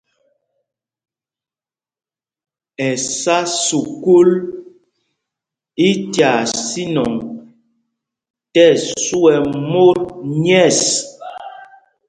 Ɛsá sukûl í tyaa sínɔŋ tí ɛsu ɛ́ mot nyɛ̂ɛs.